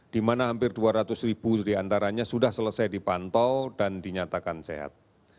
di mana hampir dua ratus ribu diantaranya sudah selesai dipantau dan dinyatakan sehat